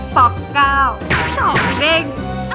โป๊ปเก้าชอบเด้ง